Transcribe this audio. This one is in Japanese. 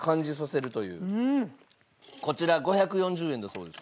こちら５４０円だそうです。